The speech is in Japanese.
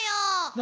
何？